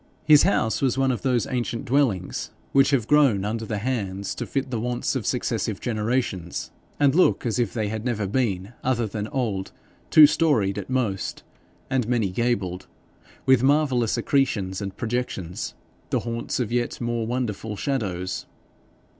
His house was one of those ancient dwellings which have grown under the hands to fit the wants of successive generations, and look as if they had never been other than old; two storied at most, and many gabled, with marvellous accretions and projections, the haunts of yet more wonderful shadows.